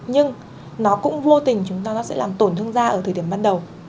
nhưng nó cũng vô tình chúng ta nó sẽ làm tổn thương da ở thời điểm ban đầu